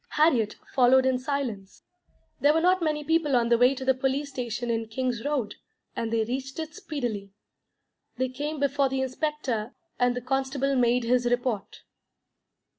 Harriet followed in silence. There were not many people on the way to the police station in King's Road, and they reached it speedily. They came before the inspector, and the constable made his report.